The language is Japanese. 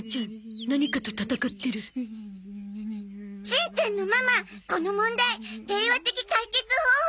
しんちゃんのママこの問題平和的解決方法があります。